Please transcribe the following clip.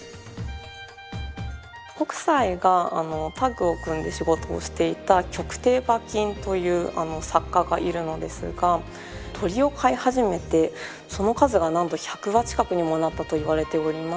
北斎がタッグを組んで仕事をしていた曲亭馬琴という作家がいるのですが鳥を飼い始めてその数がなんと１００羽近くにもなったといわれております。